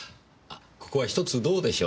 ここはひとつどうでしょう。